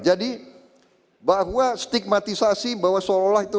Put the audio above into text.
jadi bahwa stigmatisasi bahwa seolah olah itu